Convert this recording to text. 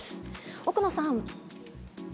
奥野さん。